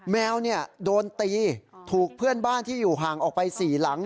แมวโดนตีถูกเพื่อนบ้านที่อยู่ห่างออกไป๔หลัง